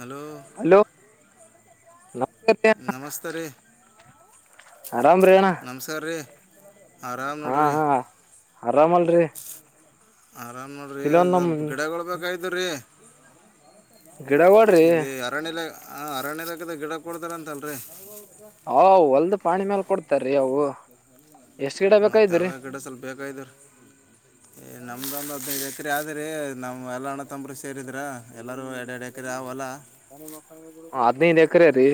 Hello hello ನಮಸ್ಕಾರ ರೀ ನಮಸ್ತೆರೀ ಆರಾಮ್ರೀ ಅಣ್ಣ ನಮಸ್ಕಾರ್ರೀ ಹಾ ಹಾ ಆರಾಮಲ್ರಿ ಆರಾಮ್ ನೋಡಿರಿ ಕೆಲವೊಂದ್ ನಮ್ ಸ್ವಲ್ಪ ಗಿಡಗಳು ಬೇಕಾಯ್ತುರೀ ಗಿಡಗಳ್ರಿ ಇಲ್ಲಿ ಅರಣ್ಯದ ಅರಣ್ಯ ಇಲಾಖೆ ಅಲ್ಲಿ ಗಿಡ ಕೊಡ್ತಾರಂತಲ್ರಿ ಹ ಹೊಲ್ದ ಪಾಣಿ ಮೇಲ್ ಕೊಡ್ತಾರ್ರಿ ಅವು ಎಷ್ಟ್ ಗಿಡ ಮತ್ತೆ ಬೇಕಾಗಿದ್ರಿ ಅವೇ ಗಿಡ ಸ್ವಲ್ಪ ಬೇಕದಾರಿ ಏ ನಮ್ದ ಒಂದು ನಾಕು ಐದು ಎಕ್ರೆ ಆದ್ರೆ ನಮ್ಮ ಎಲ್ಲಾ ಅಣ್ಣ ತಮ್ಮರು ಸೇರಿ ಸೇರಿದ್ರಾ ಎಲ್ಲರೂ ಎರಡ್ ಎರಡು ಎಕರೆ ಹೊಲ ಹದಿನೈದು ಎಕ್ರರೀ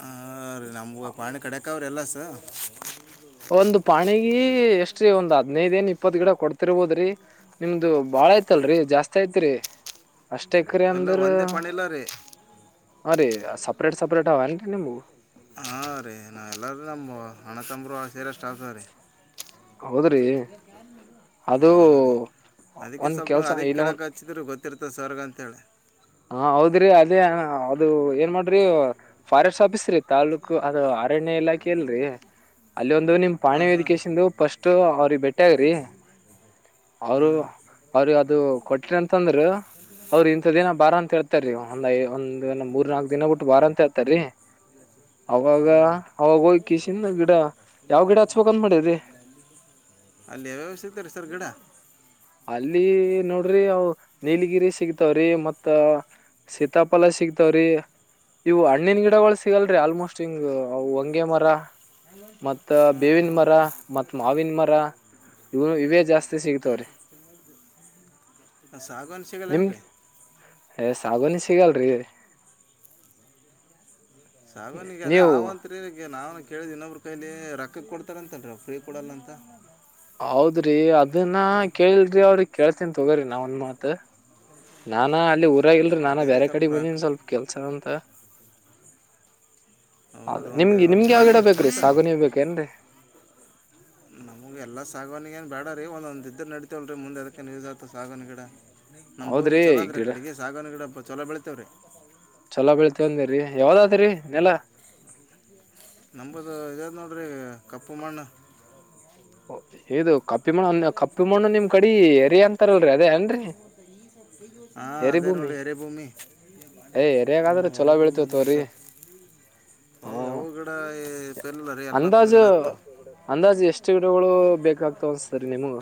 ಹಾ ನಮ್ಗೆ ಪಾಣಿ ಕಡಕ್ಕ ಅವ್ರ ಎಲ್ಲಸು ಈ ಎಷ್ಟ್ರೀ ಒಂದ್ ಹದಿನೈದು ಏನ್ ಇಪ್ಪತ್ ಗಿಡ ಕೊಡ್ತಿರ್ಬೋದ್ರಿ ನಿಮ್ದು ಬಾಳ ಐತಲ್ರಿ ಜಾಸ್ತಿ ಐತ್ರಿ ಅಷ್ಟ ಎಕರೆ ಎಲ್ಲ ಅಂದ್ರ ಒಂದೇ ಪಾಣಿ ಇಲ್ಲ ರೀ ಹಾ ರಿ ಸಪರೆೇಟ್ ಸಪರೆಟ್ ಅವಏನ್ರಿ ನಿಮವು ಹಾ ರೀ ನಾವ ಎಲ್ಲಾರೀ ನಮ್ಮ ಅಣ್ಣತಮ್ಮರು ಸೇರಿ ಅಷ್ಟು ಆತರೀ ಹೌದ್ರಿ ಅದು ಹಾರೀ ಅದಕ್ಕೆ ಒಂದ್ ಸ್ವಲ್ಪ ಕೆಲ್ಸ ಅದಿಕ್ಕೆ ಇಲ್ಲ ಕೆೇಳಕ್ ಹಚ್ಚಿದ್ರರು ಗೊತ್ತಿರ್ತ ಸರ್ ಗ ಅಂತ ಹೇಳಿ ಹ ಹೌದ್ರಿ ಅದೇ ಅದು ಏನ್ ಮಾಡ್ರಿ ಫಾರೆಸ್ಟ್ ಆಫೀಸ್ ರೀ ತಾಲ್ಲೂಕು ಅದು ಅರಣ್ಯ ಇಲಾಖೆ ಅಲ್ರಿ ಅಲ್ಲಿ ಒಂದು ನಿಮ್ ಪಾಣಿ ಹಾಂ ಹಾಂ ರೀ ವೆರಿಫಿಕೇಷನ್ ಫಸ್ಟ್ ಅವ್ರಿಗೆ ಭೇಟಿಯಾಗ್ರಿ ಅವರು ಹಾಂ ರೀ ಅವ್ರ ಅದು ಕೊಟ್ರಿ ಅಂತಂದ್ರ ಅವ್ರಇಂತ ದಿನ ಬಾರ ಅಂತ ಹೇಳ್ತಾರೀ ಒಂದ್ ಒಂದ ಮೂರ್ ನಾಲ್ಕ್ ದಿನ ಬಿಟ್ಟು ಬಾರ ಅಂತ ಹೇಳ್ತಾರೀ ಅವಾಗ ಹಾಂ ರೀ ಅವಾಗ ಹೋಗ್ಕ ಕಿಷಿಕೊಂಡು ಗಿಡ ಯಾವ ಗಿಡ ಹಚ್ಚ ಬೇಕೆಂದು ಮಾಡಿರಿ ಅಲ್ಲಿ ಯಾವ್ಯಾವ ಸಿಗ್ತದಿ ಸರ್ ಗಿಡ ಅಲ್ಲಿ ನೋಡ್ರಿ ಅವು ನೀಲಗಿರಿ ಸಿಗ್ತಾವ್ರಿ ಮತ್ತ ಸೀತಾಫಲ ಸಿಗ್ತಾವ್ರಿ ಇವು ಹಣ್ಣನ್ ಗಿಡಗಳು ಸಿಗಲ್ರಿ ಆಲ್ಮೋಸ್ಟ್ ಹಿಂಗ್ ವಂಗೆಮರ ಮತ್ತ ಹಾಂ ಬೇವಿನ ಹಾಂ ಮರ ಹಾಂ ಮತ್ ಮಾವಿನ ಮರ ಇವನು ಇವೇ ಜಾಸ್ತಿ ಸಿಗ್ತವ್ರೀ ಸಾಗೊನ್ ನಿಮ್ ಸಿಗಲ್ಲಾನೆರಿ ಏ ಸಾಗೋಣಿ ಸಿಗಲ್ರಿ ಸಾಗೋಣಿ ಅದೇ ನೀವು ಅವಂತ್ರಿ ಈಗ ನಾವು ಕೇಳಿದ್ ಇನ್ನೊಬ್ರು ಕೈಲಿ ರೊಕ್ಕಕ್ ಕೊಡ್ತಾರಂತಲ್ರಿ ಫ್ರೀ ಕೊಡಲ್ಲ ಅಂತ ಹೌದ್ರಿ ಅದನ್ನ ಕೇಳಲ್ರಿ ಅವ್ರಿ ಕೇಳ್ತನ್ ತಗೋರಿ ನಾವ ಒಂದ್ ಮಾತ್ ನಾನ ಅಲ್ಲಿ ಊರಾಗಿಲ್ರರಿ ನಾನ ಅದೇ ರೀ ಬೇರೆ ಸ್ವಲ್ಪ ಕಡೆ ರೊಕ್ಕ ಬಂದನಿ ಸ್ವಲ್ಪ ಕೆಲ್ಸ ಅಂತ ಹೌದು ಹೌದ ರೀ ಒಂದು ನಿಮ್ಗೆ ಒಂದು ನಿಮ್ಗೆ ಯಾವ ಗಿಡ ಪ್ರಾಣಿಗೆ ಎಷ್ಟು ಬೇಕ್ರೀ ಕೊಡ್ತಾರೆ ಸಾಗುಣಿ ಬೇಕೇನ್ರಿ ನಮಗೆ ಎಲ್ಲಾ ಸಾಗೋಣಿ ಏನ್ ಬೇಡರೀ ಒಂದ ಒಂದ ಇದ್ರರು ನಡಿತೀವಲ್ರೀ ಮುಂದೆ ಅದಕ್ಕೆ ಯೂಸ್ ಆತವ ಸಾಗೋಣಿ ಗಿಡ ನಮ್ಮ ಭೂಮಿ ಹೌದ್ರಿ ಚೊಲೋ ಆದ್ರೆ ಗಿಡ ಕಡೆಗೆ ಸಾಗೋಣಿ ಗಿಡ ಚೊಲೋ ಬೆಳತೇವರೀ ಚಲೋ ಬಬೆಳಿತಾಅಂದಿರಿ ಯಾವ್ದತ್ರಿ ನೆಲ ನಂಬದು ಇದ್ಯಾವ್ ನೋಡ್ರಿ ಕಪ್ಪು ಮಣ್ಣು ಇದು ಕಪ್ಪು ಕಪ್ಪಿಮಣ್ಣ ಕಪ್ಪಿ ಮಣ್ಣು ನಿಮ್ ಕಡಿ ಎರಿ ಅಂತಾರಲ್ರರಿ ಅದೇ ಆನ್ರರಿ ಹಾಂ ಎರಿ ಅದೇ ಭೂಮಿ ನೋಡಿ ಎರೆಭೂಮಿ ಯ ಹ್ಞೂ ಎರೆಯಾಗಾದ್ರೆ ಚೊಲೋ ಎರೆಭೂಮಿ ಬೆಳಿತೇವ ಅದು ನೋಡಿ ತೋಕೋರಿ ಸರ್ ಏ ಅವು ಗಿಡ ಸರಿಲಿಲ್ಲ ರೀ ಎಲ್ಲಪ್ಪ ಗಿಡ ಇತ್ತಾವ ಬೇಕಾಗ್ತಾವ್ತ ಸರಿ ನಿಮ್ಗೆ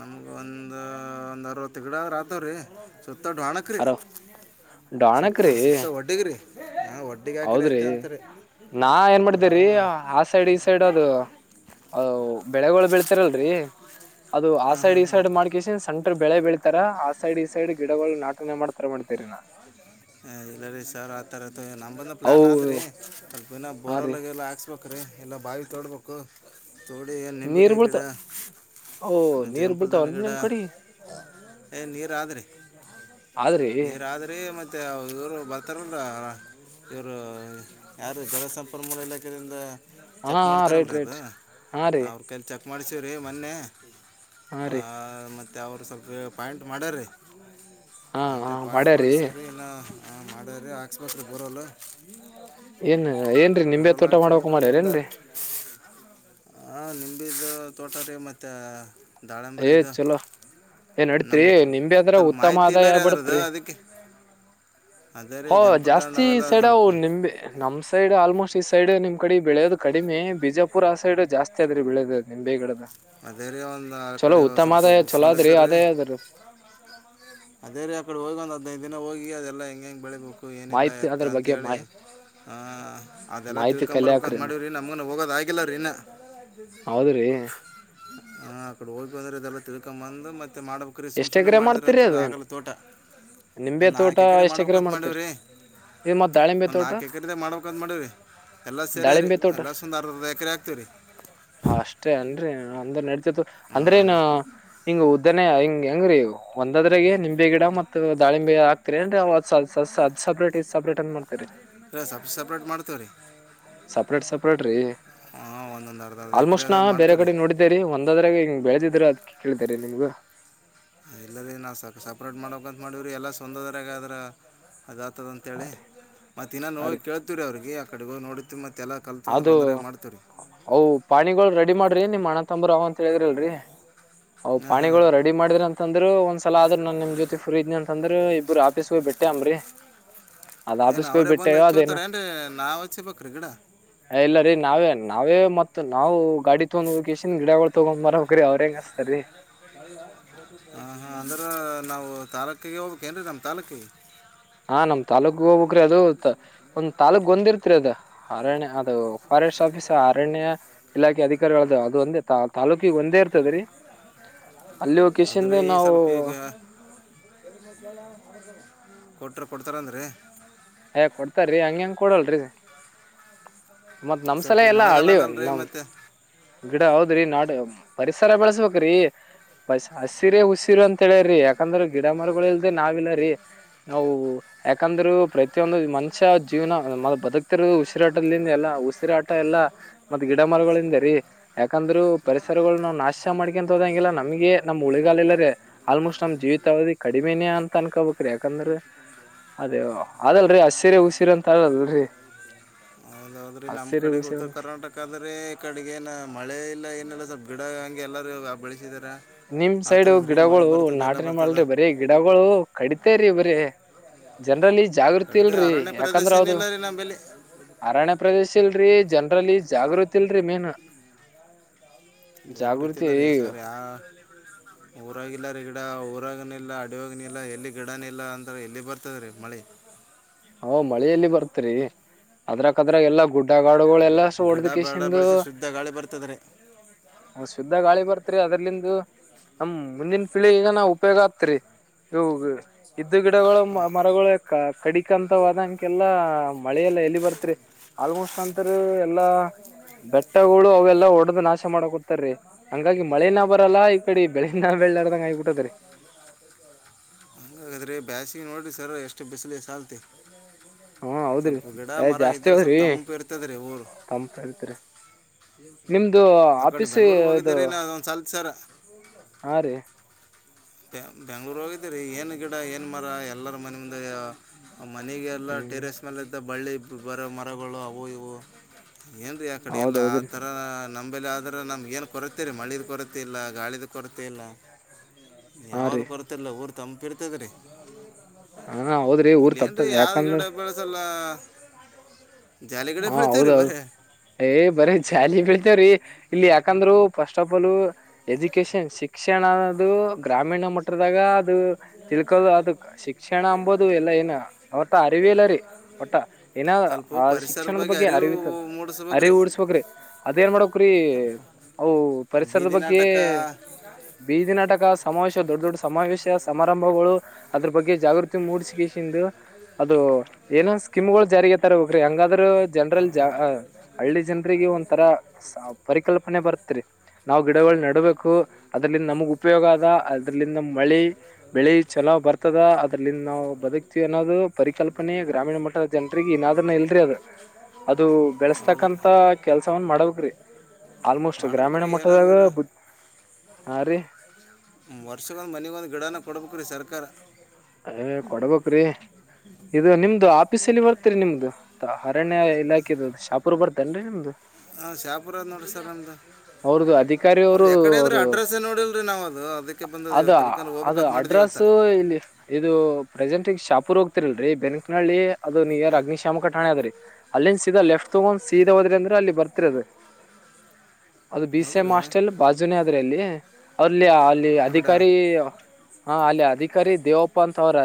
ನಮ್ಗ ಒಂದ ಒಂದು ಅರವತ್ತು ಗಿಡ ಆದ್ರೆ ಆತವ್ರೀ ಸುತ್ತಾ [unintelligible] ಅರ ಸುತ್ತ ಡಾಣಕ್ರೀ ಸುತ್ತ ಒಟ್ಟಿಗ್ರಿ ಹೌದ್ರಿ ನಾ ಏನ್ ಮಾಡ್ದೇರಿ ಆ ಸೈಡ್ ಈ ಸೈಡ್ ಅದು. ಅ ಬೆಳೆಗಳು ಬೆೀಳ್ತಿರಲ್ರರಿ ಅದು ಆ ಹಾಂ ಸೈಡ್ ಹಾಂ ಈ ಹಾಂ ಸೈಡ್ ಮಾಡ್ಕಸ ಸ್ಣ. ಬೆಳೆ ಬೆಳೀತಾರ ಆ ಸೈಡ್ ಈ ಸೈಡ್ ಗಿಡಗಳು ನಾಟನೆ ಮಾಡ್ತಾರ ಮಾಡ್ತೀವರಿ ನಾ. ಹ ಎಲ್ಲರ ಸಾರ ಆ ತರ. ಮತ್ತು ನಮ್ಮ ಬಂದು ಪ್ಲ್ಯಾನ್ ಅವು ಆದ್ರರಿ ಸ್ವಲ್ಪ ದಿನ ಹಾ ರೀ ಬೋರೊಲಗೆಲ್ಲ ಹಾಕ್ಸ್ಬೇಕು್ರೀ. ಎಲ್ಲ ಬಾವಿ ತೋಡಬೇಕು ತೋಡಿ ಎಲ್ಲಿ ನೀರ್ ನಿಂಬಿಕಾಯಿ ಬೀಳ್ತ ಗಿಡ. ಓ ನೀರ್ ಜಂಪಲ್ದಾಣ ಬೀಳ್ತಾವನ್ರಿ ಗಿಡ ನಿಮ್ ಕಡಿ ಏ ನೀರು ಆದ್ರರಿ. ಆದ್ರಿ ನೀರ್ರಿ ಮತ್ತೆ ಇವರು ಬರ್ತಾರಲ್. ಇವರು ಯಾರು ಜಲಸಂಪನ್ಮೂಲ ಇಲಾಖೆಯಿಂದ. ಹಾ ಚೆಕ್ ಹಾ ರೈಟ್ ಮಾಡ್ತಾರಲ್ರಿ ಅದು ರೈಟ್ ಹಾ ರೀ ಅವ್ರ ಕೈಲ್ಲಿ ಚೆಕ್ ಮಾಡ್ಿಸೀವ್ರೀ ಮೊನ್ನೆ. ಹಾ ರೀ ಮತ್ತೆ ಅವರು ಸ್ವಲ್ಪ ಪಾಯಿಂಟ್ ಮಾಡ್ಯ ರೀ. ಹಾ ಹಾ ಮಾಡ. ಮಾಡ್ಿಸವ್ರಿ ಇನ್ನು ಮಾಡ್ಯ್ರಿ ಹಾಕ್ಸ್ಬೇಕ್ರೆ ಬರಲ್ಲ. ಏನ್ ಏನ್ರರಿ ನಿಂಬೆ ತೋಟ ಮಾಡಕ ಮಾಡ್ಯಾರ ಏನ್ರರಿ. ಹ ನಿಂಬಿದ್ದ ತೋಟ ರ ಮತ್ತೆ. ಏ್ ಚಲೋ ಏ ನಡತ್ರಿ ನಮಗೆ ನಿಂಬೆದ್ರ ಸ್ವಲ್ಪ ಉತ್ತಮ ಮಾಹಿತಿ ಇಲ್ಲ ಆದಾಯ ರೀ ಅದ್ರದ್ದು ಬಡತ್ರಿ. ಅದಕ್ಕೆ ಅದೇ ರೀ ಹ ಜಂಪಲ್ ದಾಂಡ್ ಜಾಸ್ತಿ ಅವೆಲ್ಲ ಸೈಡ್ ಸ್ವಲ್ಪ ನಿಂಬೆ ನಮ್ ಸೈಡ್. ಆಲ್ಮೋಸ್ಟ್ ಈ ಸೈಡ್ ನಿಮ್ ಕಡೆ ಬೆಳೆಯೋ್ ಕಡಿಮೆ ಬಿಜಾಪುರ್ ಆ ಸೈಡ್ ಜಾಸ್ತಿ ಆದ್ರಿ ಬೆಳೆದ ನಿಮ್ೇ ಗಡದ. ಅದೇರ ಒಂದು. ಆ ಚಲೋ ಕಡೆ ಒಂದು ಉತ್ತಮ ಸ್ವಲ್ಪ ಅದೇ ಒಬ್ರು ಚಲೋ ಫೋನ್ ಆದ್ರಿ ಇದ್ದರ್ರಿ ಅದೇ ಅದ್ರ. ಅದೇ ರೀ ಆಕಡೆ ಹೋಗಿ ಒಂದ ಹದ್ಿನೈದು ದಿನ ಹೋಗಿ ಅದೆಲ್ಲ ಹೆಂ ಹೆಂಗ್ ಬೆಳೆದು. ಅಕ್ಕು ಏನಿಲ್ಲ ಮಾಹಿತಿ ಎತ್ತ ಅದ್ರ ಬಗ್ಗೆ ಅಂತೇಳಿ. ಮಾಹಿತಿ ಹ ಅದೆಲ್ಲಾ ಮಾಹಿತಿ ತಿಳ್ಕೊ್ ಕಲೆ ಬರ್ಬೇಕಂತ ಹಾಕ್ರಿ ಮಾಡವ್ರಿ ನಮ್ಗನ್ ಹೋಗೋದ ಆಗಿಲ್ಲ ರೀ ಇನ್ನು. ಹೌದ್ರಿ ಹಾ ಅ ಕಡೆ ಹೋಗಿಂದ್ರೆ ಇದೆಲ್ಲ ತಿಳ್ಕೊಂಬಂದ ಮತ್ತೆ. ಮ ಮಾಡ್ಬೇಕು್ರೀ ಸುಮ್ ಎಷ್ಟ್ ಸುನೆ ಎಕರೆ ಮಾಡಿದ್ರ ಮಾಡ್ತೀರಿ ಅಂತ ಅದೇನ್ ಆಗಲ್ಲ ತೋಟ. ನಿಂಬೆ ಒಂದು ತೋಟ ನಾಲ್ಕು ಎಷ್ಟ ಎಕರೆ ಮಾಡ್ಬೇಕಂತ ಮಾಡೀವಿ ಮಾಡ್ತರಿ. ರೀ ಒಂದು ನಾಕೇಕ್ಕರೆ ಮಾಡಬೇಕು ಅಂತ್ ಮಾಡಿದೆ. ಎಲ್ಲಾ ಸೇರಿ ರೀ ದಾಳಿಂಬೆ ತೋಟ ಎಲ್ಲಾ ಸುಂದರ ದ ಎಕರಿ ಆಾಕ್ತೇವ್ರೀ. ಅಷ್ಟೇ ಅನ್ರಿ ಅಂದ್ರ ನಡತತ್ತು ಅಂದ್ರೇನ್ ಹಿಂಗ ಉದ್ದನೇ ಹಿಂಗ. ಹೆಂಗ್ರೀ ಒಂದದ್ರಾಗ ನಿಂಬೆ ಗಿಡ ಮತ್ತುತ್ ದಾಳಿಂಬೆ ಹಾತೀರಿ ಅನ್್ರರಿ. ಸಪ್ರೇಟ್ ಸಪ್ರೇಟ್ ಅನ್ ಮಾಡ್ತರಿ. ಇಲ್ಲ ಸಪ್ ಸಪ್ರೇಟ್ ಮಾಡ್ತೀವಿ ರೀ ಸಪ್ರೇಟ್ ಸಪ್ರೇಟ್ ರೀ. ಹಾಂ ಒಂದೊಂದು ಅರ್ಧ ಅರ್ಧ ಎಕರೆ ಆಲ್ಮೋಸ್ಟ್ ನಾ ಅದಾಗ ಬೇರೆ ಮಾಡ್ತೀವಿ ಕಡೆ ರೀ ನೋಡಿದ್ದೇರಿ ಒಂದಾದ್ರಾಗ ಹಿ್ ಬೆಳೆದಿದ್ರರು ಅದ್ ಕೇಳ. ಸರಿ ನಿಮ್ಗ. ಎಲ್ಲರಿ ನಾವು ಸಕ ಸಪ್ರೇಟ್ ಮಾಡೋಕಂತ ಮಾಡೀವ್ರಿ ಎಲ್ಲ ಸ್ವಂದದ್ರಾಗ ಅದ್ರೆಮಲ್. ಅದ ಆತದ ಹಾ ಅಂತೇಳಿ ರೀ ಮತ್ತುೆ ಇನ್ನಾನು ಹಾ ಹೋಗಿ ರೀ ಕೇಳ್ತೀವಿ ರ ಅವ್ರಿಗೆ ಆ ಕಡೆ ಹೋಗಿ ನೋಡತೀವಿ ಮತ್ತ. ಅದು ಅವು ಪಾಣಿಗಳು ರೆಡಿ ಮಾಡ್ರಿ ನಿಮ್ಮ್ ಅಣ್ಣ ತಂಬ್ರ ಅವಂತ. ತಿಳಿದ್ರಲ್ರಿ. ಹ್ ಹಾಂ ಹಾಂ ಪಾಣಿಗಳು ರೆಡಿ ಮಾಡಿದ್ರ ಅಂದ್ರ ಒಂದ್ಸಲ ಆದ್ರ ನಾನ್ ನಿಮ್ ಜೊತೆ ಫ್ರೀ್ನಿ ಅಂತಂದ್ರೆ. ಇಬ್ಬರು ಆಫೀಸ್ಗೆ ಬಿಟ್ಟೆ ಅಮ್ರಿ. ಏನು ಅವರೇ ಬಂದು್ ಹಚ್ೋತಾರ ಏನ್ೀ ನಾವುಚ್ಚೇ ಪಕ್ಕ್ರ ಗಿಡ. ಇಲ್ಲ ರೀ ನಾವೇ ನಾವೇ ಮತ್ ನಾವು ಗಾಡಿ ತಗೊಂಡ್ ಹಕೇಶನ್ ಗಿಡಗಳು ತೊಗೊಂಡ್ ಬರಕ್ರೀ ಅವ್ರ ಹೆಂಗ ಅಸ್ೇ. ಅರಿ. ಹ ಹಾ ಅಂದ್ರ ನಾವು ತಾಲೂಕಿಗೆ ಹೋಗ್ಬೇಕೇನ್ೀ ನಮ ತಾಲೂಕಿಗೆ. ಹಾ ಒಂದ್ ತಾಾಲೂಕ್ ಗಂದ್ಿರ್ತರಿ ಅದು ಅರಣ್ಯ ಅದು ಫಾರೆಸ್ಟ್ ಆಫೀಸ್ ಅರಣ್ಯ ಇಲಾಖೆ ಅಧಿಕಾರಿಗಳದು ಅದು. ಒಂದೇ ತಾಾಲೂಕಿಗೆ ಒಂದೇ ಇರ್ತದ ರೀ. ಆದ್ರೆ ಈಗ ಸ್ವಲ್ಪ ಈಗ. ಕೊಟ್ಟರು ಕೊಡ್ತಾರಂದೀ. ಹಯ ಕೊಡ್ತಾರೀ ಹಂಗ ಹೆಂಗ ಕೊಡಲ್ರರಿ. ಮತ್ತ್ ಸ್ವಲ್ಪ ನಮ್ಸಲ ಈಗ ಎಲ್ಲಾ ಮಳೆಗಾಲ ಹಳ್ಳಿವೇ ಅದಲ್ಲ ರೀ ನಮ್. ಮತ್ತು ಗಿಡ ಹೌದ್ರಿ ನಾಡ್ ಪರಿಸರ ಬೆಳೆಸ್ಬೇಕ್ರಿ ಬಸ್ ಹಸಿರೇ ಉಸಿರು ಅಂತ ಹೇಳೇರಿ ಯಾಕಂದ್ರ ಗಿಡ ಮರಗಳ ಇಲ್ದೆೇ ನಾವ್ ಇಲ್ಲರೀ ನಾವು ಯಾಕಂದ್ರರು ಪ್ರತಿಯೊಂದು ಮನುಷ್ಯ ಜೀವನ ಬದುಕ್ತಿರೋ ಉಸಿರಾಟದಿಂದ ಎಲ್ಲ ಉಸಿರಾಟ ಎಲ್ಲಾ ಮತ್ತ ಗಿಡ ಮರಗಳಿಂದ ರೀ ಯಾಕಂದ್ರು ಪರಿಸರಗಳ ನಾವವು ನಾಶ ಮಾಡ್ಕೊಂತ ಹೋದಂಗಿಲ್ಲಾ ನಮ್ಗೆ ನಮ್ ಉಳಿಗಾಲಲ್ಲ ರೇ ಆಲ್ಮೋಸ್ಟ್ ನಮ್ ಜೀವಿತ ಅವಧಿ ಕಡಿಮೆನೇ ಅಂತ ಅನ್ಕೋಬಬೇಕ್ರಿ ಯಾಕಂದ್ರ ಅದೇ ಅದಲ್ರರಿ ಹಸಿರಿ ಉಸಿರಿ ಅಂತಲ್ಲ್ರರಿ ಆದ್ರೆ ನಮ್ ಕಡೆ ಉತ್ತರ ಕರ್ನಾಟಕ ಆದ್ರೆ ಈ ಕಡೆಗನ ಮಳೆ ಇಲ್ಲ ಏನಲ್ಲ ಸ್ವಲ್ಪ್ ಗಿಡ ಹಂಗೆ ಎಲ್ಲಾರೂ ಬಳಸಿದಾರ ನಿಮ್ ಸೈಡು ಗಿಡಗಳು ನಾಟನೆ ಬರ್ತದ ಮಾಡಲ್ರಿ ಬರೀ ಗಿಡಗಳು ಕಡ ರಿ ಬ್ರೀ ಜನರಲಿ ಜಾಗೃತಿ ಕಡಿತ ಇಲ್ರರಿ ಅರಣ್ಯ ಪ್ರದೇಶ ಯಾಕಂದ್ರ ಹೌದು ಏನಿಲ್ಲ ರೀ ನಮ್ಮಲ್ಲಿ ಅರಣ್ಯ ಪ್ರದೇಶ ಇಲ್ರರಿ ಜನ್ ಅ್ರಲ್ಲಿ ಜಾಗೃತಿ ಇಲ್ರರಿ ಮೇನ್ ಜಾಗೃತಿ ಇಲ್ಲ ರೀ ಸರ್ ಯ ಊರಾಗಿಲ್ಲ ರೀ ಗಿಡ ಊರಾಗನ ಇಲ್ಲ ಅಡಿಯಾಗನ ಇಲ್ಲ ಎಲ್ಲಿ ಗಿಡನ ಇಲ್ಲ ಅಂತ್ರ ಎಲ್ಲಿ ಬರ್ತದ ರೀ ಮಳಿ ಹ ಮಳೆಯಲ್ಲಿ ಬರ್ತ್ರಿ ಅದ್ರಕ್ಕದ್ರ ಎಲ್ಲಾ ಗುಡ್ಡಗಾಡು ಗಿಡ ಬೇಡ ಬಳಸಿ ಶುದ್ಧ ಗಾಳಿ ಬರ್ತದ ಶುದ್ಧ ಗಾಳಿ ಬರ್ತ್ರಿ ಅದ್ರಲ್ಲಿಂದು ಹ ಮುಂದಿನ ಳಿ ಈಗ ನಾವ ಉಪಯೋಗ ಆತ್ರಿ ಇ ಇದ್ದು ಗಿಡಗಳು ಮ ಮರಗಳು ಕಡಿಕಂತವಾದಂಕಲ್ಲಾ ಮಳೆಲ್ಲ ಎಲ್ಲಿ ಬರ್ತ್ರಿ ಆಲ್ಮೋಸ್ಟ್ ಅಂತರ ಎಲ್ಲಾ ಬೆಟ್ಟಗಳು ಅವೆಲ್ಲಾ ಒಡೆದ ನಾಶ ಮಾಡಕ ಕೊಡ್ತಾರೀ ಹಂಗಾಗಿ ಮಳೆನ ಬರಲ್ಲ ಈ ಕಡೆ ಬೆಳಿನ ವಳ್ಳಡ್ದಂಗಾಯ ಕೂಟ್ಟತರೆ ಹಾಗಾದ್ರೆ ಬ್ಯಾಸಿಗೆ ನೋಡ್ರಿ ಸರ್ ಎಷ್ಟು ಬಿಸಿಲ ಸಲ್ತೆ ಹಾ ಹೌದ್ರಿ ಅ ಜಾಸ್ತಿ ಸ್ವಲ್ಪ ಹದ್ರಿ ತಂಪು ಇರ್ತದೆ ರೀ ಊರು ತಂಪ ಇತ್ರಿ ಆ ಕಡೆ ಬೆಂಗ್ಳೂರ್ಗ್ ಇದು ಹೋಗಿದ್ದೀರಿ ನೊಂದ್ ಸಲ್ತ್ ಸರ ಹಾ ರೀ ಬೆ ಬೆಂಗ್ಳೂರು ಹೋಗಿದ್ದೀರಿ ಏನ್ ಗಿಡ ಏನ್ ಮರ ಎಲ್ಲರ ಮನೆ ಮುದ ಮನೆಗೆಲ್ಲ ಹ್ಮ್ ಟೆರೆಸ್ ಮೇಲೆದ್ದ ಬಳ್ಳಿ ಬರೋ ಮರಗಳು ಅವು ಇವು ಏನ್ರರಿ ಆ ಕಡೆ ಎಲ್ಲಾ ಆ ಹೌದೌದ್ರಿ ತರ ನಂಬಲ್ಲಿ ಆದ್ರ ನಮ್ಗೆ ಏನ್ ಕೊರತೆ ರೀ ಮಳಿದ ಕೊರತೆ ಇಲ್ಲ ಗಾಳಿದ ಕೊರತೆ ಇಲ್ಲ ಹಾ ರೀ ಯಾವ್ದೂ ಕೊರತಲ್ಲ ಊರು ತಂಪಿರ್ತದ ರೀ ಹಾ ಹೌದ್ರಿ ಊರ್ ಇಲ್ಲ ಏನ್ರಿ ತಪ್ತದ ಯಾವ್ದ ಯಾಕಂದ್ರ ಗಿಡ ಬೆಳೆಸಲ್ಲ ಜಾಲಿ ಗಿಡ ಹಾ ಬೆಳಿತೀವಿ ರೀ ಹೌದೌದು ಬರೀ ಏ ಬರೀ ಜಾಲಿ ಬೆಳತೇವ್ರಿ ಇಲ್ಲಿ ಯಾಕಂದ್ರು ಫಸ್ಟ್ ಆಫ್ ಆಲ್ ಎಜುಕೇಶನ್ ಶಿಕ್ಷಣ ಅದು ಗ್ರಾಮೀಣ ಮಟ್ಟದಾಗ ಅದು ತಿಳ್ಕೋದು ಅದು ಶಿಕ್ಷಣ ಅಂಬೋುದು ಎಲ್ಲ ಏನು ಹೊಟ ಅರಿವಿ ಇಲ್ಲ ರೀ ಒಟ್ಟ ಇನ ಸ್ವಲ್ಪ ಆ ಶಿಕ್ಷಣ ಪರಿಸರದ ಬಗ್ಗೆ ಅರಿವು ಅರಿವಿ ಇತ್ತದ ಮೂಡಿಸ್ಬೇಕ್ರಿ ಅರಿವು ಸ್ವಲ್ಪ ಡ್ಸ್ಬಕ್ರಿ ಅದೇಏನ್ ಮಾಡಕ್ರೀ ಅ ಸ್ವಲ್ಪ ಪರಿಸರದ ಬೀದಿ ಬಗ್ಗೆ ನಾಟಕ ಬೀದಿ ನಾಟಕ ಸಮಾವೇಶ ದೊಡ್ಡ ದೊಡ್ಡ ಸಮಾವೇಶ ಸಮಾರಂಭಗಳು ಅದ್ರ ಬಗ್ಗೆ ಜಾಗೃತಿ ಮೂಡಿಸಿಕಂದು ಅದು ಏನೋನ್ ಸ್ಕಮ್ಗಳು ಜಾರಿಯತ ಹೋಗ್ರಿ ಹಂಗಾದ್ರ ಜನರಲ್ಲಿ ಹಳ್ಳಿ ಜನರಿಗೆ ಒರ ಪರಿಕಲ್ ನೆ ಬರ್ತ್ರಿ ನಾವು ಗಿಡಗಳು ನೆಡ್ಬೇಕು ಅದ್ರಲ್ಲಿ ನಮಗ್ ಉಪಯೋಗ ಆದ ಅದ್ರಲಂದ ಮಳೆ ಬೆಳಿ ಚೆನ್ನ್ ಬರ್ತದ ಅದ್ರಲಂದ ನಾವು ಬದುಕ್ತೀವಿ ಅನ್ನೋದು ಪರಿಕಲ್ಪನೆ ಗ್ರಾಮೀಣ ಮಟ್ಟದ ಜನ್ರಿಗೆ ಏದದ್ರನ್ನ ಇಲ್ರಿ ಅದು ಅದು ಹೌದು ರೀ ಬೆಳೆಸ್ತಕಂತ ಕೆಲ್ಸವನ್ ಮಾಡಬ್ರಿ ಆಲ್ಮೋಸ್ಟ್ ಗ್ರಾಮೀಣ ಮಾಡ್ಬೇಕ್ರಿ ಮಟ್ಟದಾಗ ಹಾ ರೀ ವರ್ಷಗಳೊಂದು ಮನೆಗೊ ಒಂದು ಗಿಡನ ಕೊಡ್ಬೇಕುರೀ ಸರ್ಕಾರ ಏ ಕೊಡ್ಬೇಕಕ್ ಇದು ನಿಮ್ದು ಆ ಇಲಾಖೆದು ಶಾಪುರ್ ಬರ್ತೇನ್ರಿ ನಿಮ್ದು ಹ ಸಾಪುರ ನೋಡಿ ಸರ್ ನಮ್ದ ಅವ್ರದ್ದು ಅಧಿಕಾರಿ ಅದ್ ಅವರು ಎಕಡೆ ಆದ್ರೆ ಅವರು ಅಡ್ರೆಸ್ ನೋಡಿಲ್ರಿ ನಾವ್ ಅದು ಅದಕ್ಕೆ ಬಂದದ್ ಇವತ್ತ ಅದು ಅಡ್ರೆಸ್ಸು ಇಲ್ಲಿ ಇದು ಪ್ರೆಸೆಂಟ್ ಈ ಶಾಪೂರ್ ಹೋಗ್ತಿರಲ್ರರಿ ಬೆಂಕ್ನಳ್ಳಿ ಅದು ನಿಯರ್ ಅಗ್ನಿಶಾಮಕ ಠಾಣೆ ಅದ್ರರಿ ಅಲ್ಲಿಂದ ಸೀದಾ ಲೆಫ್ಟ್ ತಗೊಂಡ್ ಸೀದಾ ಹೋದ್ರಿ ಅಂದ್ರೆ ಅಲ್ಲಿ ಬರ್ತ್ ಅದ ಅದು ಬಿ ಸಿ ಹೌದು ಎಂ ರೀ ಹಸ್ಟೆಲ್ ಬಾಜುನೇ ಅದ್ರೆ ಅಲ್ಲಿ ಅಲ್ಲಿ ಅಲ್ಲಿ ಅಗಡ ಅಧಿಕಾರಿ ಹ ಅಲ್ಲಿ ಅಧಿಕಾರಿ ದೇವಪ್ಪ ಅಂತ ಅವ್ರ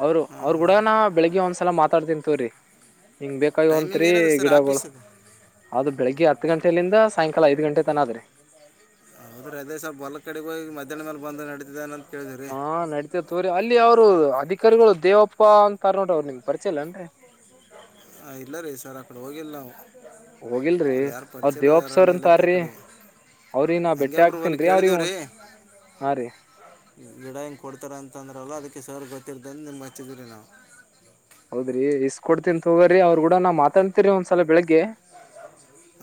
ಅವರು ಹಾಂ ಅವ್ರ ಹಾಂ ಕೂಡಾನ ಬೆಳಿಗ್ಗೆ ಒಂದ್ಸಲ ಮಾತಾಡ್ತೀನಿ ತಗೋರಿ ಹಿಂಗ್ ಬೇಕಾಗಿ ಟೈಮಿಂಗ್ ಒಂತ್ರಿ ಏನಾದ್ರಿ ಸರ್ ಗಿಡ ಬಳ ಆಫೀಸ್ ಅದು ಅದು ಬೆಳಗ್ಗೆ ಹತ್ತು ಗಂಟೆ ಯಲ್ಲಿಂದ ಸಾಯಂಕಾಲ ಐದು ಗಂಟೆ ತನ ಆದ್ರೆ ಹೌದೆ ಅದೇ ಸ್ವಲ್ ಹೊಲ ಕಡೆಗ ಹೋಗಿ ಮಧ್ಯಾಹ್ನ ಮೇಲೆ ಬಂದು ನಡೀದ್ದಿದೆನ ಹಾ ನಡತೇ ತೋರಿ ಅಲ್ಲಿ ಅವ್ರು ಅದಿ ಚಕ್ಕರ್ಗಳು ದೇವಪ್ಪಾ ಅಂತಾರ್ ನೋಡ ಅವ್ರು ನಿಮ್ ಪರಿಚಯ ಇಲ್ಲೇನ್ರಿ ಹ ಇಲ್ಲ ರೀ ಸರ್ ಅಕಡೆ ಹೋಗಿಲ್ಲ ನಾವು ಹೋಗಿಲ್ರಿ ಅಲ್ಲಿ ಯಾರು ಅವ್ರ ಪರಿಚಯ ಇಲ್ಲ ದೇವಾಪ್ಪ ಸಾರ್ ಅರಣ್ಯ ಅವ್ರಂತ ಇಲಾಖೆ ಆರ್ರಿ ಕಡೆಗೆ ಅವ್ರಿ ನಾ ಹಂಗೆ ಬೆಟ್ಟೆ ಒಬ್ರು ಅಲ್ಲಿ ಆಗ್ತನ್ ರೀ ಅವ್ರಿ ಕೇಳಿದೀವಿ ಹಾ ರೀ ಗಿಡ ಹಿಂಗ ಕೊಡ್ತಾರ ಅಂತಂದ್ರಲ್ಲ ಅದಕ್ಕೆ ಸರ್ ಗೊತ್ತಿರನ್ ನಿಮ್ ಹಚ್ಚಿದರಿ ನಾವು ಹೌದ್ರಿ ಇಸ್ ಕೊಡ್ತೀನ್ತಗ್ರಿ ಅವ್ರರು ಕೂಡ ನಾ ಮಾತಾಡ್ತಿನಿ ಒಂದ್ಸಲ ಬೆಳಿಗ್ಗೆ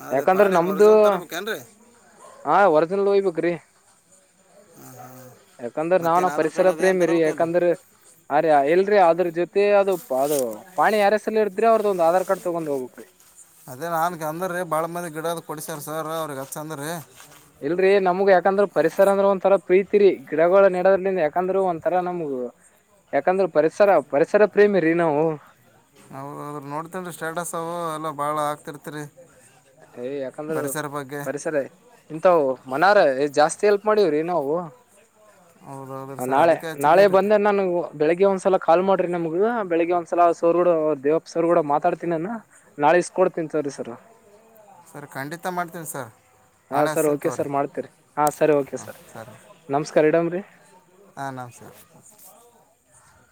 ಅದೇ ಯಾಕಂದ್ರೆ ಪಾಣಿ ಏನು ನಮ್ದು ಒರಿಜಿನಲ್ ತರಬೇಕೇನ್ರಿ ಹ ವರ್ಜನ್ಲ್ ಹಯ್ಬೇಕ್ರಿ ಹಾಂ ಹಾಂ [inaudible] ಯಾಕಂದ್ರ ನಾವ ಮತ್ತೇನು ಆಧಾರ್ ಪರಿಸರ ಕಾರ್ಡ್ ಅದೇನು ಪ್ರೇಮಿ ರೀ ತರಬೇಕೇನು ಯಾಕಂದ್ರ ಆ ಎಲ್ರಿ ಅದ್ರ ಜೊತೆ ಅದು ಅದು ಪಾಣಿ ಯಾರ್ ಹೆಸರಲ್ಲಿ ಐತ್ರಿ ಅವ್ರದ ಒಂದು ಆಧಾರ್ ಕಾರ್ಡ್ ತಗೊಂಡ್ ಹೋಗಬೇಕ್ರಿ ಅದೇ ನನ್ಗೆ ಅಂದ್ರೀ ಬಾಳ ಮಂದಿ ಗಿಡದ ಕೊಡಸ್ಯಾರ ಸರ ಅವ್ರಗ್ ಹತ್ ಅಂದ್ರೀ ಇಲ್ರರಿ ನಮ್ಗ್ ಯಾಕಂದ್ರ ಪರಿಸರ ಅಂದ್ರ ಒಂಥರ ಪ್ರೀತಿ ರಿ ಗಿಡಗಳ ನೆೋದ್ರಿಂದ ಯಾಕಂದ್ರೂ ಒಂಂತರಾ ನಮ್ಗ್ ಯಾಕಂದ್ರೆ ಪರಿಸರ ಪರಿಸರ ಪ್ರೇಮಿ ರೀ ನಾವು ಹೌದದ್ರ ನೋಡ್ತೇನ್ ಸ್ಟೇಟಸ್ ಅವವು ಎಲ್ಲಾ ಬಾಳ ಆಗ್ತಿರ್ತಿರಿ ಏ ಯಾಕಂದ್ರೂ ಪರಿಸರ ಇಂತ ಮನಾರ್ ಜಾಸ್ತಿ ಅಲ್ ಮಾಡೀವ್ರಿ ನಾವು ಹೌದು ಹೌದು ಸರ್ ನಾಳೆ ಅದಕ್ಕೆ ನಾಳೆ ಹಚ್ಚಿದ್ದೀವಿ ರೀ ಬಂದೆ ನಾನು ಬೆಳಿಗ್ಗೆ ಒಂದ್ಸಲ ಕಾಲ್ ಮಾಡಿ ನಮಗ ಬೆಳಗ್ ಒಂದ್ಸಲ ಸೋಕೂಡ ದೇವಪ್ಪ ಸವರ್ ಕೂಡ ಮಾತಾಡ್ತಿನಿ ಅನ ನಾಳ ಇಷ್ಟು ಕೊಡ್ತೀನಿ ಸರಿ ಸಾರ್ ಸರ್ ಖಂಡಿತ ಮಾಡ್ತೀನಿ ಸರ್ ಹಾ ನಾಳೆ ಸರ್ ಹಚ್ತೀನಿ ಓಕೆ ತೋರಿ ಸರ್ ಮಾಡ್ತರಿ ಹಾ ಸರಿ ಓಕೆ ಹಾಂ ಸರ್ ನಮಸ್ಕಾರಾರ್ ಇಡಮ್ರರಿ ಆ ನಮಸ್ಕಾರ [inaudible]